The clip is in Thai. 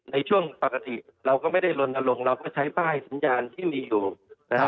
ในช่วงปกติเราก็ไม่ได้ลนลงเราก็ใช้ป้ายสัญญาณที่มีอยู่นะครับ